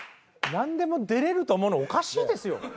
何でも出れると思うのおかしいですよ。